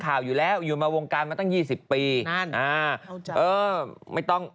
ข่าวอยู่แล้วอยู่มาวงการมาตั้งยี่สิบปีนั่นอ่าเออไม่ต้อง